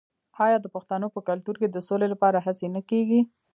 آیا د پښتنو په کلتور کې د سولې لپاره هڅې نه کیږي؟